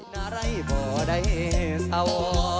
นารัยหมอได้สว